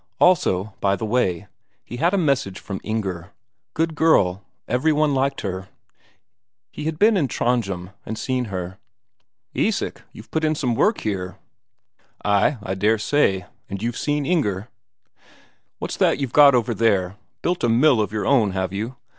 Also, by the way, he had a message from Inger good girl, every one liked her; he had been in Trondhjem, and seen her. "Isak, you've put in some work here." "Ay, I dare say And you've seen Inger?" "What's that you've got over there? Built a mill of your own, have you?